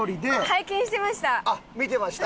拝見してました。